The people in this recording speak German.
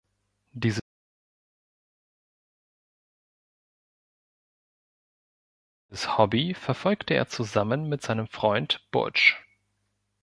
Dieses Hobby verfolgte er zusammen mit seinem Freund Butch.